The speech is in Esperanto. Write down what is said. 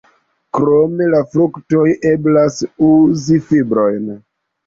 Krom la fruktoj eblas uzi fibrojn.